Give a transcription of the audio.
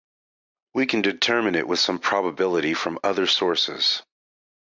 We can determine it with some probability from other sources.